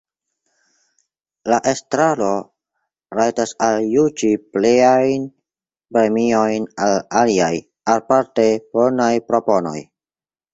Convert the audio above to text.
La Estraro rajtas aljuĝi pliajn premiojn al aliaj aparte bonaj proponoj.